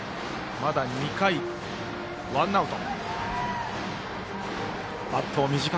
まだ２回、ワンアウト。